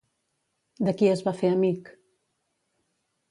De qui es va fer amic?